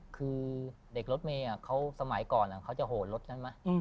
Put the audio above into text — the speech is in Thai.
คือเด็กรถเมย์เขาสมัยก่อนเขาจะโหดรถฉันไหม